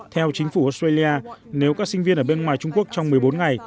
theo chính phủ australia nếu các sinh viên ở bên ngoài trung quốc trong một mươi bốn ngày